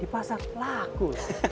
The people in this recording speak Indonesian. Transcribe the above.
di pasar pelaku